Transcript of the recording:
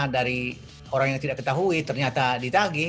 dari orang yang tidak ketahui ternyata ditagi